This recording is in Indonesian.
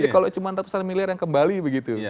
kalau cuma ratusan miliar yang kembali begitu